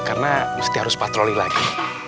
karena mesti harus patroli lagi